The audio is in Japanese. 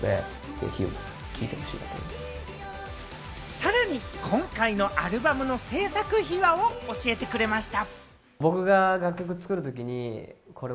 さらに今回のアルバムの制作秘話を教えてくれました。